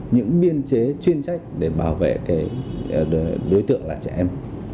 những biên chế chuyên trách để bảo vệ cái đối tượng là trẻ em